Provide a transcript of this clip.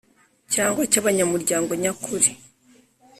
cyangwa cy abanyamuryango nyakuri